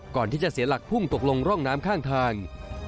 ก่อนที่จะเสียหลักพุ่งตกลงร่องน้ำข้างทาง